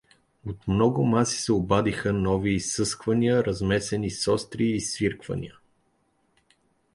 От много маси се обадиха нови изсъсквания, размесени с остри изсвирквания.